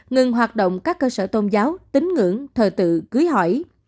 ngừng hoạt động các cơ sở tôn giáo tín ngưỡng thờ tự cưới hỏi